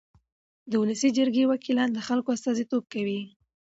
د ولسي جرګې وکیلان د خلکو استازیتوب کوي.